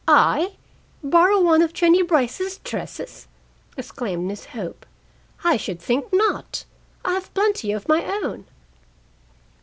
I borrow one of Jennie Brice's dresses!" exclaimed Miss Hope. "I should think not. I have plenty of my own."